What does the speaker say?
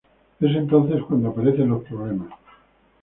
Es entonces cuando aparecen los problemas.